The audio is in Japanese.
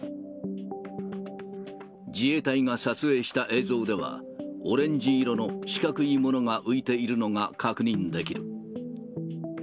自衛隊が撮影した映像では、オレンジ色の四角いものが浮いているのが確認できる。